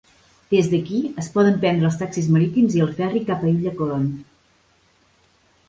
Des d'aquí es poden prendre els taxis marítims i el Ferri cap a Illa Colón.